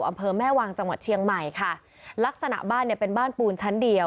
อำเภอแม่วางจังหวัดเชียงใหม่ค่ะลักษณะบ้านเนี่ยเป็นบ้านปูนชั้นเดียว